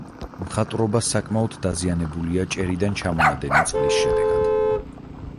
მხატვრობა საკმაოდ დაზიანებულია ჭერიდან ჩამონადენი წყლის შედეგად.